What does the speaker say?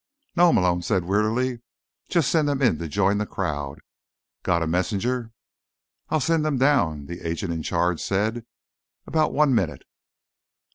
"No," Malone said wearily. "Just send them in to join the crowd. Got a messenger?" "I'll send them down," the agent in charge said. "About one minute."